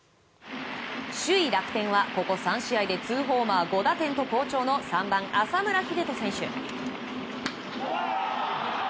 首位、楽天はここ３試合で２ホーマー５打点と好調の３番、浅村栄斗選手。